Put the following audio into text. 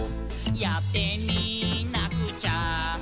「やってみなくちゃ」